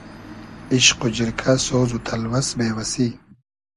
ایشق و جیرکۂ سۉز و تئلوئس بې وئسی